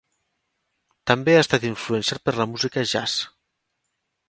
També ha estat influenciat per la música jazz.